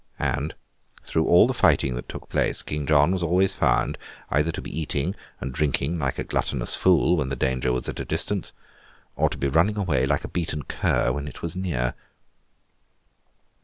And, through all the fighting that took place, King John was always found, either to be eating and drinking, like a gluttonous fool, when the danger was at a distance, or to be running away, like a beaten cur, when it was near.